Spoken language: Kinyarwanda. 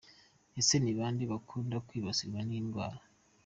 Ese ni bande bakunda kwibasirwa n’iyi ndwara?.